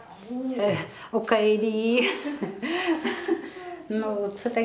おかえり。